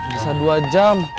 bisa dua jam